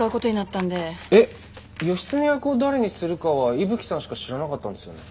えっ義経役を誰にするかは伊吹さんしか知らなかったんですよね？